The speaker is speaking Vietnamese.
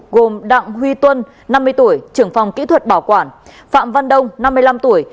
gồm đặng huy tuân năm mươi tuổi trưởng phòng kỹ thuật bảo quản phạm văn đông năm mươi năm tuổi